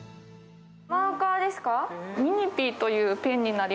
マーカーですか。